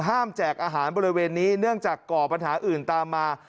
แจกอาหารบริเวณนี้เนื่องจากก่อปัญหาอื่นตามมา